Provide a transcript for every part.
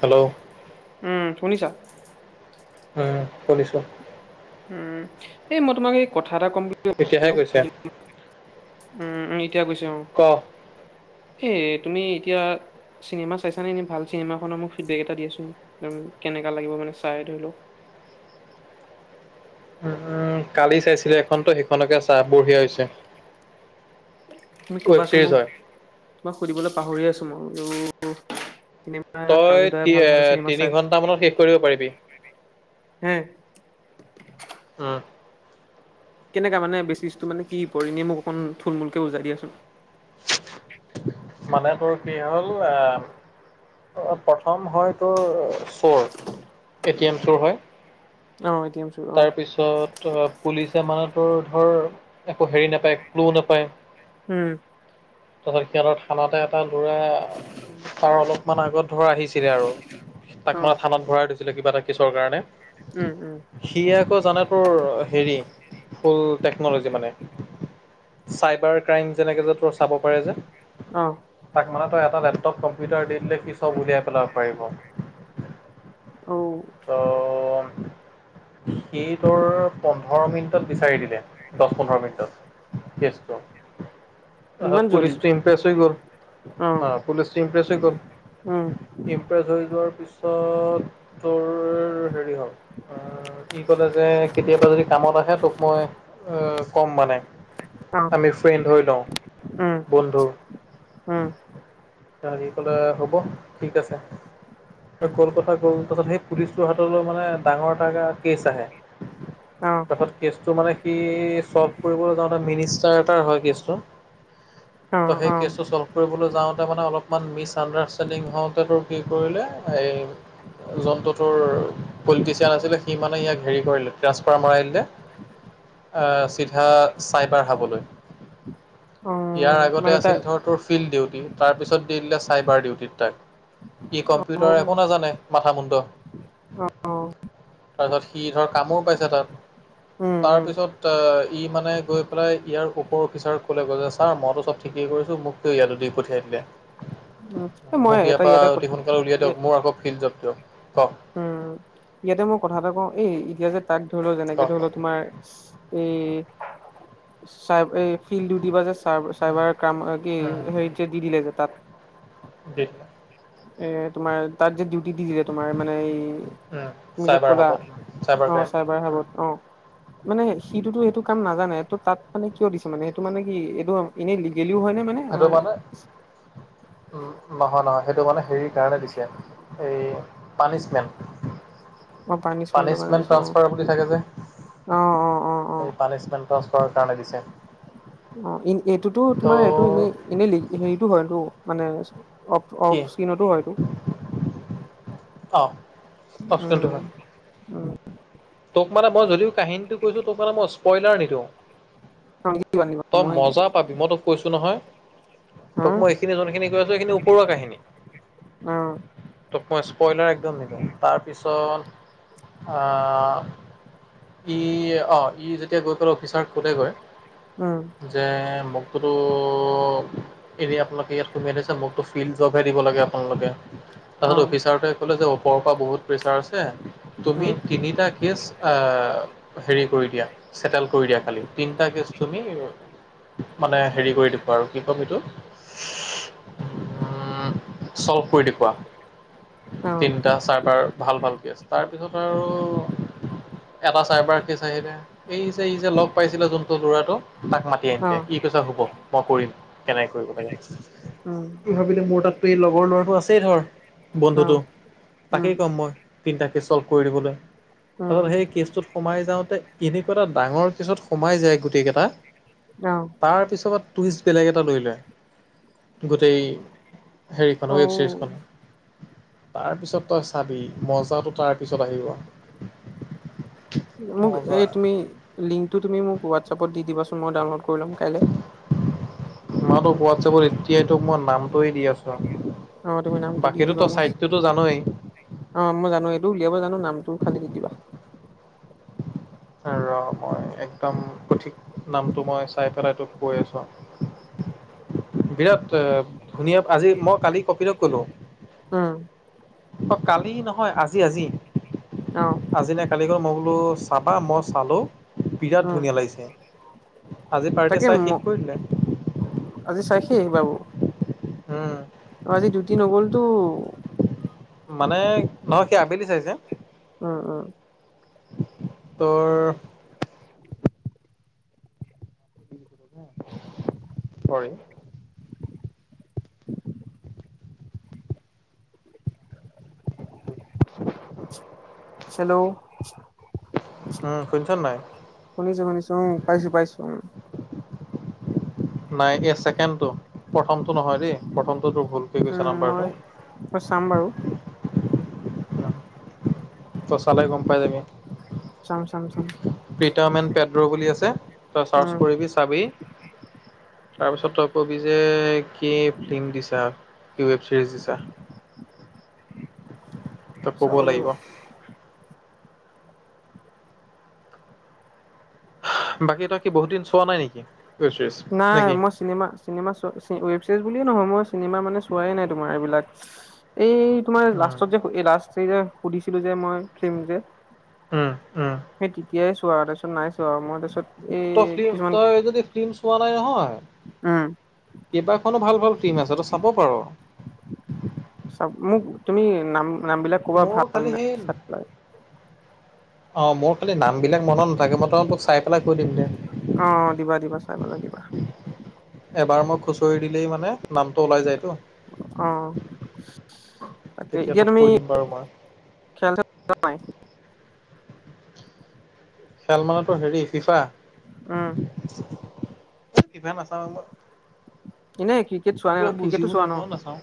Hello. উম, শুনিছা? উম, শুনিছোঁ। উম, এই মই তোমাক এই কথা এটা ক'ম বুলি এতিয়াহে কৈছে [unintelligible] উম, উম, এতিয়া গৈছে অ'। ক এ, তুমি এতিয়া চিনেমা চাইছানে, এনে ভাল চিনেমাখনৰ মোক ফিডবেক এটা দিয়াছোন, কেনেকা লাগিব মানে চাই ধৰি লওক উম, উম, কালি চাইছিলোঁ এখন, তই সেইখনকে চা বঢ়িয়া হৈছে। তুমি ৱেব কবাচোন ছিৰিজ মোক, হয় তোমাক সুধিবলৈ পাহৰি আছো মই বুলো তই তি-তিনি ঘন্টা মানত শেষ কৰিব পাৰিবি। হে উম। কেনেকা মানে বেচিছটো মানে কি, পৰিনেম অকণ থুলমূুলকে বুজাই দিয়াচোন। মানে তোৰ কি হ'ল আ প্ৰথম হয় তোৰ চোৰ, এটি এম চোৰ হয়। অ, এটি এম চোৰ। অ', তাৰপিছত পুলিচে মানে তোৰ ধৰ একো হেৰি নাপায় ক্লু নাপায়। উম। তাৰপিছত সিহঁতৰ থানাতে এটা ল'ৰা তাৰ অলপমান আগত ধৰা আহিছে ছিলে আৰু তাক অ', মানে থানাত ভৰাই থৈছিলে কিবা এটা কেছৰ কাৰণে উম, উম। সি আকৌ জানে তোৰ হেৰি ফুল টেকন'লজি মানে। চাইবাৰ ক্ৰাইম যেনেকে যে তোৰ চাব পাৰে যে। অ'। তাক মানে তই এটা লেপটপ কম্পিউটাৰ দি দিলে সি চব উলিয়াই পেলাব পাৰিব। অ'। ত' সি তোৰ পোন্ধৰ মিনিটত বিচাৰি দিলে, দহ পোন্ধৰ মিনিটত। কেচটো। আ, ইমান জল্দি পুলিচটো ইম্প্ৰেছ হৈ গ'ল অ', আ, পুলিচটো ইম্প্ৰেছ হৈ উম, গ'ল। প্ৰেছ হৈ যোৱাৰ পিছত তোৰ হেৰি হ'ল ই কলে যে কেতিয়াবা যদি কামত আহে তোক মই ক'ম মানে। অ', আমি ফ্ৰেণ্ড হৈ লওঁ, উম, বন্ধু। উম, তাৰ সি ক'লে হ'ব ঠিক আছে, আৰু উম, ক'ৰ কথা ক'ৰ পুলিচৰ হাতলৈ মানে ডাঙৰ টাগাৰ কেচ আহে। অহ। তাৰপাছত কেচটো মানে সি চল্ভ কৰিবলৈ যাওঁতে মিনিষ্টাৰ এটাৰ হয় কেচটো। অ ত' সেই অ কেচটো চল্ভ কৰিবলৈ যাওঁতে, মানে অলপমান মিছ আণ্ডাৰষ্টেণ্ডিং হওঁতেতো কি কৰিলে এই [inaudible] জন্তুটোৰ পলিটিচিয়ান আছিলে, সি মানে ইয়াক হেৰি কৰিলে ট্ৰাসফাৰ মৰাই দিলে। [inaudible] অ' চিধা চাইপাৰ খাবলৈ, অ ইয়াৰ আগতে মানে তাৰ আছিল ধৰ ত' ফিল্ড ডিউটি, তাৰপিছত দি দিলে চাইবাৰ ডিউটিত তাক ই অ কম্পিউটাৰ একো নাজানে। মাথা মুুণ্ড। অ অ তাৰপিছত সি ধৰ কামোৰ পাইছে তাত, উম তাৰ উম পিছত এ ই মানে গৈ পেলাই ইয়াৰ ওপৰ অফিচাৰক ক'লে গৈ, যে ছাৰ মইতো চব ঠিকেই কৰিছো, মোক ইয়াতো দি পঠিয়াই দিলে, উম এ মই মোক ইয়াৰ এটা পৰা ইয়াতে ক অতি সোনকালে উলিয়াই দিয়ক, মোৰ আকৌ কি জব্দ ক' উম, ইয়াতে মই কথা এটা কওঁ, এই এতিয়া যে তাক ধৰিলও যেনেকে কওক। ধৰিলও তোমাৰ এই চ এই ফিল্ড ডিউটি পা যে চাইবাৰ কাম কি হেৰি যে দি দিলে গৈ তাত। দ [unintelligible] এ তোমাৰ তাত যে ডিউ দি দি দিলে তোমাৰ মানে এই তুমি যে চাইবাৰ কলা হাবত চাইবাৰ ক্ৰাইম। অ' চাইবাৰ হাবত অ'। মানে সিটোতো সেইটো কাম নাজানে। ত' তাত মানে কিয় দিছে মানে, সেইটো মানে কি এইটো এনেই লিগেলিও হয় নে মানে? সেইটো আমাৰ মানে উম, নহয় নহয় সেইটো মানে হেৰি কাৰণে দিছে, এই পানিছমেণ্ট। অ পানিচমেন্টৰ কাৰণে পানিচমেন্ট দিছে অ ট্ৰানঞ্চফাৰ বুলি থাকে যে। অ' অ'। অ অ এই পানিচমেণ্ট টান্সপাৰৰ কাৰণে দিছে। অ' এইটোতো তোমাৰ এইটো এনে ত' এনেই হেৰিতটো হয় এইটো মানে অফ কি অফ স্কিনতো হয়তো অ' অপচেলটো উম হয়। উম তোক মানেই মই যদিও কাহিনীটো কৈছোঁ, তোক মানে মই স্প্ৰইলাৰ নিদিওঁ। ব তই মই ন মজা [unintelligible] পাবি মই তোক কৈছো নহয়, তোক উম মই এইখিনি জনোনখিনি কৈ আছো, এইখিনি ওপৰুৱা কাহিনী। অ'। তোক মই স্পইলাৰ একদম নিদিও তাৰপিছত আহ ই অ' ই যেতিয়া গৈ পেলাই অফিচাৰক শুধে গৈ উম। যে মোকটোতো এৰিয়া আপোনালোকে ইয়াত সুমোৱাই ঠৈছে মোকতো ফিল্ড জবহে দিব লাগে আপোনালোকে। অ তাৰপিছত অফিচাৰটোৱে কলে, যে ওপৰৰ পৰা বহুত প্ৰেচাৰ আছে তুমি উম তিনিটা কেছ হেৰি কৰি দিয়া ছেটেল কৰি দিয়া খালি তিনিটা কেছ তুমি মানে হেৰি কৰি দিব আৰু কি কম এইটো। উম, চল্ভ কৰি দেখোৱা। অ এ চাৰভাৰ ভাল ভাল কেছ তাৰপিছত আৰু এবাৰ চাইবাৰ কেছ আহিলে, এই যে এই যে ল'গ পাইছিলে যোনটো ল'ৰাটো তাক মাতি দি এন অ দে ই কৈছা হ'ব মই কৰিম, কেনেকৈ কৰিব লাগে উম সি ভাবিলে মোৰ তাত লগৰ ল'ৰাটো আছেই ধৰ, অ বন্ধুটো উম তাকেই ক'ম মই। তিনিটা কেছ চল্ভ কৰি দিবলৈ, উম তাৰপছত সেই কেচটোত সোমাই যাওঁতে, এনেকুৱা এটা ডাঙৰ কেছত সোমাই যায় গোটেই কেইটা অহ। তাৰপিছত টুইষ্ট বেলেগ এটা লৈ লয়, গোটেই হেৰিখন, অ ৱেব ছিৰিজখনৰ। তাৰপিছত তই চাবি, মজাটো তাৰ পিছত আহিব। মোক মজা এই তুমি, লিংকটো তুমি মোক হোৱাটছ এপত দি দিবাচোন, মই ডাউনলোড কৰি ল'ম কাইলৈ। মই তোক হোৱাটছএপত এতিয়াই তোক মই নামটোৱে দি আছোঁ। অ তুমি নামটো দি বাকীটো দিবা তই মই ছাইডটোটো জানয়েই। অ', মই জানো এইটো, উলিয়াব জানো নামটো খালী দি দিবা। আৰু মই, একদম সঠিক নামটো মই চাই পেলাই তোক কৈ আছোঁ। বিৰাট ধুনীয়া, আজি মই কালি কপিলক ক'লো। উম। অ', কালি নহয়, আজি আজি। অহ। আজি নাই, কালি গৈ, মই বোলো চাবা, মই চালো। বিৰাট উম ধুনীয়া লাগিছে, আজি পাৰ্টি তাকে চাই শেষ কৰি দিলে। আজি চাই শেষ [unintelligible] হম। অ', আজি ডিউটি নগ'লটো। মানে নহয়, সি আবেলি চাইছে। উম, উম। ত' চৰি। হেল্ল' উম, শুনিছ নাই? শুনিছোঁ, শুনিছোঁ, উম, পাইছোঁ, পাইছোঁ উম। নাই, এই ছেকেণ্ডটো। প্ৰথমটো নহয় দেই, প্ৰথমটো তোৰ ভুল কৰি গৈছে নাম্বাৰটো। অ', চাম বাৰু। তই চালে গম পাই যাবি, চাম চাম চাম প্ৰিটামেন পেড্ৰ বুলি আছে। তই চাৰ্চ উম, কৰিবি চাবি, তাৰপিছত তই কবি যে কি ফিল্ম দিছা, কি ৱেব চিৰিজ দিছা। তই ক'ব চাব লাগিব। বাকী তই কি, হুত দিন চোৱা নাই নেকি? Web series. নাই, মই চিনেমা, চিনেমা, ৱেব চিৰিজ বুলিয়ে নহয়, মই চিনেমা মানে চোৱাই নাই তোমাৰ এইবিলাক। এই তোমাৰ উম লাষ্টত যে, এই লাষ্ট এই যে সুধিছিলোঁ যে, মই ফিল্ম যে উম, উম। সেই তেতিয়াই চোৱা, আৰু তাৰ পিছত নাই চোৱা আৰু, মই তাৰ পিছত ত, ফিল্ম, তই যদি ফিল্ম চোৱা নাই নহয় উম। কেইবাখনো ভাল, ভাল ফিল্ম আছে, তই চাব পাৰ। চাওঁক মোক তুমি নাম নাম বিলাক ক'বা মোৰ ভাল খালি হেই চাই পেলাই অঁ মোৰ খালি নামবিলাক মনত নাথাকে, মই তহঁতোক চাই পেলাই কৈ দিম দিয়া। অ', দিবা দিবা চাই পেলাই দিবা এবাৰ মই খুচৰি দিলেই মানে নামটো ওলাই যায়তো। অ'। তাকে তেতিয়া এতিয়া তোক কৈ দিম বাৰু মই। হয়। খেল মানে তোৰ হেৰি ফিফা? অ'। ফিফা নাচাওঁয়ে মই। এনেই ক্ৰিকেট চো কিবা বুজিও নাপাওঁ নাচাওঁ,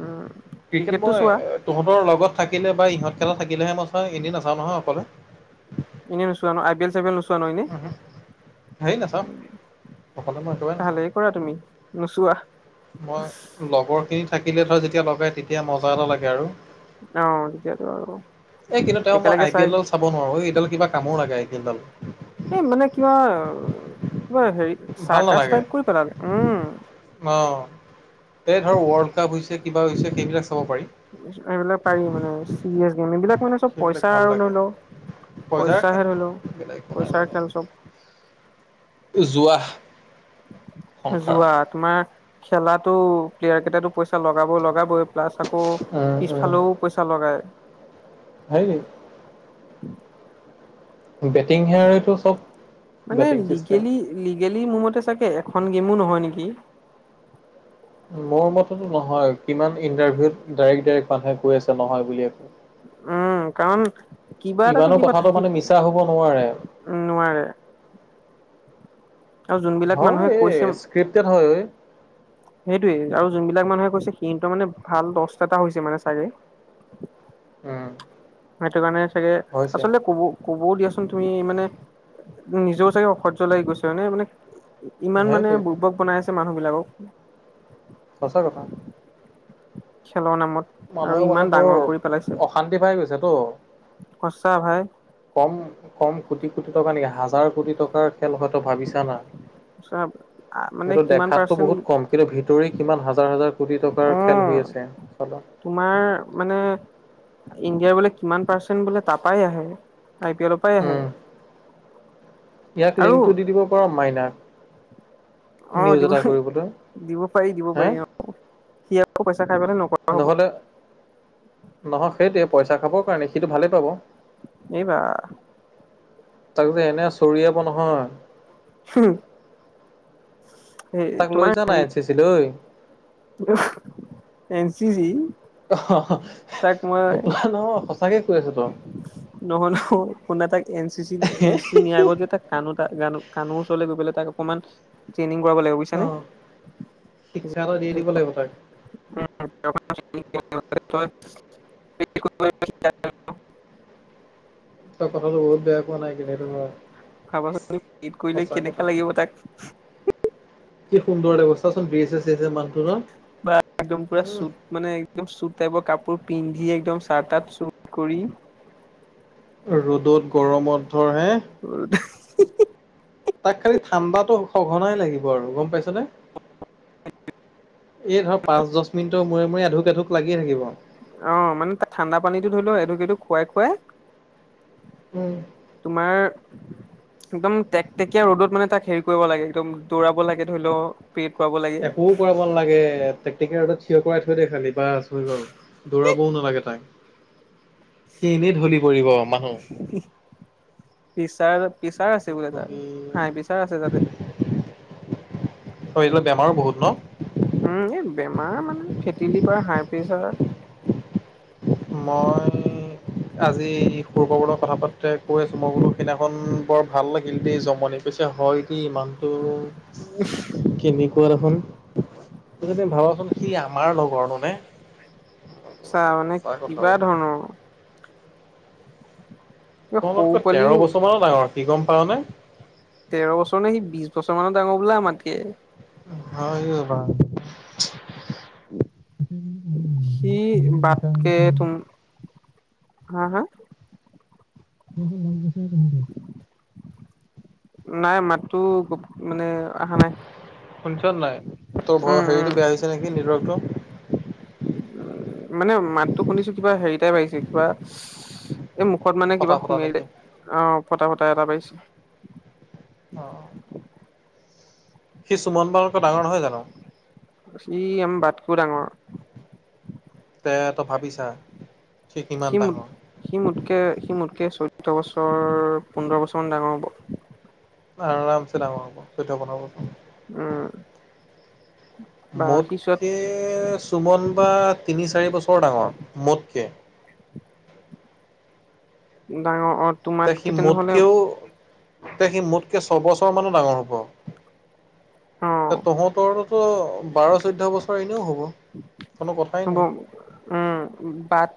উম ক্ৰিকেট ক্ৰিকেটটো মই চোৱা তহঁতৰ লগত থাকিলে বা ইহঁত কেইতা থাকিলেহে মই চওঁ এনেই নাচাওঁ নহয় অকলে। এনে নোচোৱা ন আই পি এল চাই পি এল নোচোৱা ন এনেই। ধেই নাচাওঁ অকলে মই একবৰেই নাচাওঁ। ভালেই কৰা তুমি নোচোৱা। মই লগৰ খিনি থাকিলে ধৰ যেতিয়া লগাই তেতিয়া মজা এটা লাগে আৰু। অ' তেতিয়াতো আৰু এই কিন্তু তেওঁ মই আই একেলগে পি চাই এলডাল চাব নোৱাৰো এইডাল কিবা কামো লাগে আই পি এল ডাল। এই মানে কিবা কিবা হেৰি চাৰকাচ টাইপ কৰি পেলালে। উম অঁ এই ধৰ ৱৰ্ল্ড কাপ হৈছে কিবা হৈছে সেইবিলাক চাব পাৰি। এইবিলাক পাৰি মানে চিৰিয়াছ গে'ম, এইবিলাক মানে চব সেইবিলাক পইচা ভাল আৰু লাগে। ধৰি ল পইচাৰ পইচাহে ধৰি ল বেলেগ একো নাই পইচাৰ খেল চব। জুৱা। জুৱা। তোমাৰ খেলাটো প্লেয়াৰ কেটাই পইচা লগাব লগাবই প্লাছ আকৌ উম পিছফালেও পইচা লগায়। হাৰিলি? বেটিং হে আৰু এইটো চব। মানে বেটিং চিষ্টেম লিগেলি লিগেলি মোৰ মতে চাগে এখন গেমো নহয় নেকি? মোৰ মতেতো নহয় কিমান ইণ্টাৰভিউত ডাইৰেক্ট ডাইৰেক্ট মানুহে কৈ আছে নহয় বুলি একো। উম কাৰণ কিবা ইমানো কথাটো মানে মিছা হ'ব নোৱাৰে। উম, নোৱাৰে। আৰু যোনবিলাক হয় মানুহে কৈছে এই স্ক্ৰিপ্টেড হয় ঐ সেইটোৱে, আৰু যোনবিলাক মানুহে কৈছে সি মানে ভাল লষ্ট এটা হৈছে মানে চাগে। উম। সেইটো কাৰণে চাগে হৈছে আচলতে ক'ব ক'বও দিয়াচোন, তুমি মানে নিজৰও চাগে অসহ্য লাগি গৈছে, হয় নে? মানে ইমান মানে সেইটোৱেটো বুৰ্বক বনাই আছে মানুহ বিলাকক। সঁচা কথা। খেলৰ নামত। আৰু মানুহে মানে ইমান ডাঙৰ তোৰ কৰি পেলাইছে অশান্তি পাই গৈছে তো। সঁচা ভাই। কম কম কোটি কোটি টকা নেকি, হাজাৰ কোটি টকাৰ খেল হয় তই ভাবিছা না? সঁচা মানে সেইটো কিমান দেখাতটো পাৰ্চেন্ট বহুত কম। কিন্তু ভিতৰি কিমান হাজাৰ হাজাৰ কোটি টকাৰ অ খেল হৈ আছে চালা। তোমাৰ মানে ইণ্ডিয়াৰ বোলে কিমান পাৰ্চেন্ট বোলে তাৰাপাই আহে আই পি এল, উম, ইয়াক আৰু লিংকটো দি দিব পাৰ মাইনাক। অ, নিউজ দিব এটা কৰিবলৈ দিব পাৰি, দিব হা পাৰি অ, সি আকৌ পইচা খাই পাই নকৰে নহ'লে নহয় সেইটোৱে পইচা খাবৰ কাৰণে সিটো ভালেই পাব। এইবা তাক যে এনে চৰিয়াব নহয়। উম, তাক লৈ যা নাই এন চি চি লৈ। এন চি চি অহ, তাক মই সঁচাকে কৈ আছো তোমাক। নহয় ন কোনে তাক N C C N C C নিয়াৰ আগত যে তাক কানু কানোৰ ওচৰলৈ গৈ পেলাই তাক অকণমান ট্ৰেইনিং কৰা লাগিব। অ, বুজিছানে শিক্ষা এটা দি দিব লাগিব তাক। উ [unintelligible] কথাটো বহুত বেয়া পোৱা নাই কিন্তু সেইটো কাও ভাবাচোন কৰিলে কেনেকা লাগিব তাক কি সুন্দৰ ব্যৱস্থা চোন বিছে চছে মানুহটো ন। ত একদম পুৰা চুট মানে একদম চুট টাইপৰ কাপোৰ পিন্ধি একদম চাৰ্টাত চুট কৰি। ৰ'দত গৰমত ধৰ হে। আৰু [unintelligible] তাক খালি ঠাণ্ডাো সঘনাই লাগিব আৰু গম পাইছনে? এই ধৰ পাঁচ দহ মিনিটৰ মূৰে-মূৰে এধুক-এধুক লাগিয়ে থাকিব। অ, মানে ত ঠাণ্ডা পানীটো ধৰি লওঁ এঢোক-এঢোক খুৱাই-খুৱাই, উম, তোমাৰ একদম টেকটেকীয়া ৰ'দত মানে তাক হেৰি কৰিব লাগে একদম দৌৰাব লাগে ধৰি লও। পেট পাব লাগে। একো কৰাব না তাকে তেক্তেটিয়া থিয় কৰাই থৈ দে খালি বা হৈ গল দৌৰাবও নালাগে তাক। সি এনেই ঢলি পৰিব মানুহ। পিচাৰ-পিচাৰ আছে বোলে তাৰ হাই পিচাৰ আছে তাতে, অ, এইবিলাক বেমাৰো বহুত ন। উম, এই বেমাৰ মানে ফেটি লিভাৰ, হাই প্ৰেছাৰ, মই আজি সৰু পাবলৰ কথা পাতে কৈ আছো মই বোলো সেইদিনাখন বৰ ভাল লাগিল দেই জমনি। পিছে হয় কি ইমানটো কেনেকুৱা দেখোন ভাবাচোন সি আমাৰ লগৰনো নে, চাহ মানে সঁচা কথা কিবা ঐ। ধৰণৰ কিবা সৰু তোমতকৈ তেৰ পোৱালিও বছৰ মানত আৰু কি গম পাৱ নে? তেৰ বছৰ নে সি বিশ বছৰ মানৰ ডাঙৰ বোলো আমাতকে, হয় ই বা সি বাটকে তুমি হা-হা, সেইটো গৈছে [unintelligible] নাই মাতটো গ মানে অহা নাই? শুনিছ নাই, তোৰ উম উম হেৰিটো বেয়া হৈছে নেকি? নেটৱৰ্কটো। উম, মানে মাততো শুনিছোঁ, কিবা হেৰি টাইপ আহিছে, কিবা এই মুখত মানে ফটা কিবা ফটা সোমাইে নেকি? [unintelligible] অ', ফটা, ফটা এটা পাইছোঁ। অ', অ'। সি সুমন বালকৰ ডাঙৰ নহয় জানো। সি আমাৰ বা-তকৈও ডাঙৰ। তে তই ভাবিছা, সি কিমান ডাঙৰ। সি মোতকে, সি মোতকে, চৈধ্য বছৰ, পোন্ধৰ বছৰ মান ডাঙৰ হ'ব। আৰামছে ডাঙৰ হ'ব। উম। বা সি চোৱাত মোতকে চুমন বা তিনি, চাৰি বছৰ ডাঙৰ, মোতকে। ডাঙৰ অ'। তে, সি তোমাতকে তেনেহ'লে মোতকেও, তে সি মোতকে ছয়বছৰ মান ডাঙৰ হ'ব। এ, অ', তহঁতৰতো বাৰ, চৈধ্যয় বছৰ এনেও হ'ব, কোনো কথাই হ'ব নাই। উম, বাট